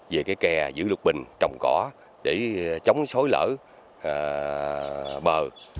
về cái kè giữ lục bình trồng cỏ để chống xói lở bờ